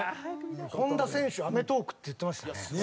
本田選手『アメトーーク』って言ってましたね。